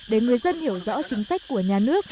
để người dân hiểu rõ chính sách của nhà nước cấp về